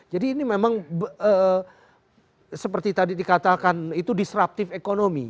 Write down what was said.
jadi ini memang seperti tadi dikatakan itu disruptive economy